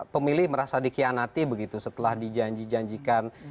pemilih merasa dikhianati begitu setelah dijanji janjikan